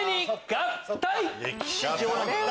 合体！